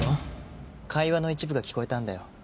会話の一部が聞こえたんだよ。